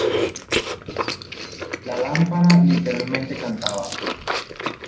La lámpara, literalmente, cantaba.